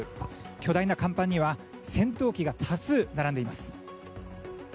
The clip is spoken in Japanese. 巨大な甲板には戦闘機が多数並んでいます。